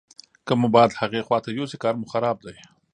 که مو باد هغې خواته یوسي کار مو خراب دی.